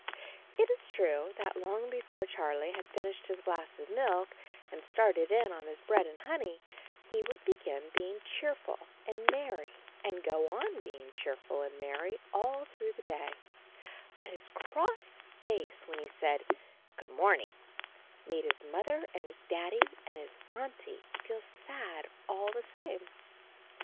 It is true that long before Charlie had fin ished his glass of milk, and started in on his bread and honey, he would begin being cheerful and merry and go on being cheer ful and merry all through the day, but his cross face when he said, "Good morning" made his Mother and his Daddy and his Auntie feel sad all the same.